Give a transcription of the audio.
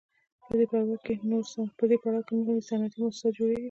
په دې پړاو کې نوي صنعتي موسسات جوړېږي